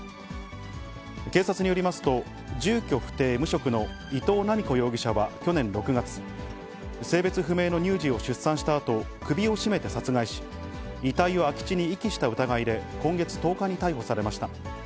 警察によりますと、住居不定無職の伊藤七美子容疑者は去年６月、性別不明の乳児を出産したあと、首を絞めて殺害し、遺体を空き地に遺棄した疑いで、今月１０日に逮捕されました。